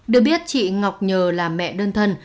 được biết chị ngọc nhờ là mẹ đơn thân